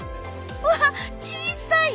うわ小さい！